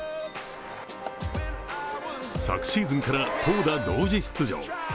昨シーズンから投打同時出場。